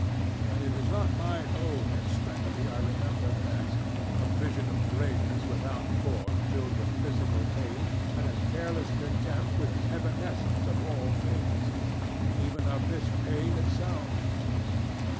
And it is not my own extremity I remember best a vision of grayness without form filled with physical pain, and a careless contempt for the evanescence of all things even of this pain itself.